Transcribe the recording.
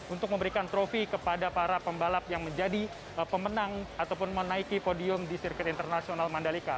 untuk memberikan trofi kepada para pembalap yang menjadi pemenang ataupun menaiki podium di sirkuit internasional mandalika